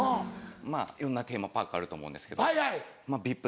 いろんなテーマパークあると思うんですけどＶＩＰ